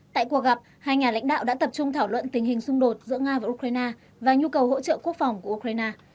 tại cuộc gặp hai nhà lãnh đạo đã tập trung thảo luận tình hình xung đột giữa nga và ukraine và nhu cầu hỗ trợ quốc phòng của ukraine